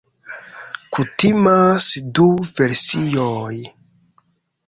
Kutimas du versioj.